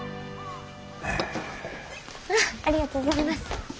ありがとうございます。